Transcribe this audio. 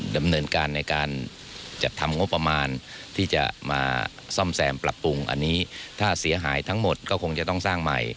ดำเนินการในการจัดทำงบประมาณที่จะมาซ่อมแซมปรับปรุงอันนี้ถ้าเสียหายทั้งหมดก็คงจะต้องสร้างใหม่